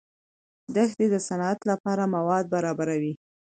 دښتې د صنعت لپاره مواد برابروي.